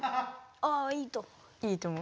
ああいいと思う。